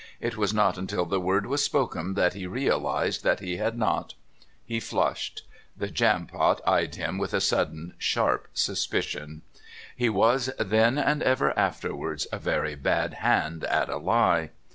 It was not until the word was spoken that he realised that he had not. He flushed. The Jampot eyed him with a sudden sharp suspicion. He was then and ever afterwards a very bad hand at a lie...